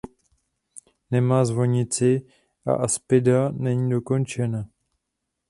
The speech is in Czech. Nemá zvonici a apsida není dokončena.